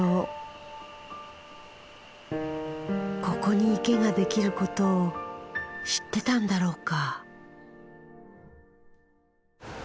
ここに池が出来ることを知ってたんだろうか。